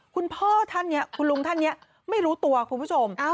คุณพ่อท่านนี้คุณลุงท่านนี้ไม่รู้ตัวคุณผู้ชม